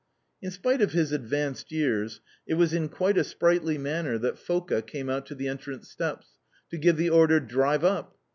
In spite of his advanced years, it was in quite a sprightly manner that Foka came out to the entrance steps, to give the order "Drive up."